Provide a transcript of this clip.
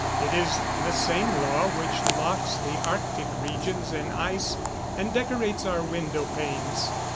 It is the same law which locks the arctic regions in ice and decorates our window panes.